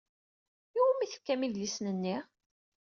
I wumi i tefkam idlisen-nni?